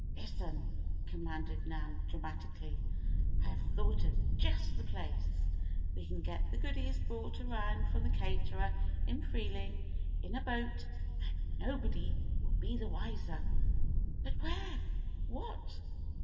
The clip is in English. "Listen!" commanded Nan, dramatically. "I have thought of just the place. We can get the goodies brought around from the caterer in Freeling, in a boat, and nobody'll be the wiser." "But where what?"